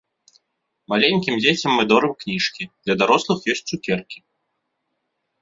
Маленькім дзецям мы дорым кніжкі, для дарослых ёсць цукеркі.